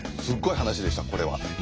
すっごい話でしたこれは。